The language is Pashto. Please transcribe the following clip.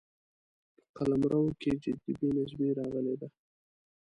په قلمرو کې جدي بې نظمي راغلې ده.